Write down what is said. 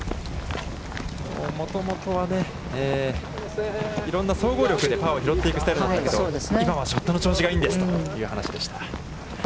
もともとは、いろんな総合力でパーを拾っていくスタイルだったけど、今はショットの調子がいいんですという話でした。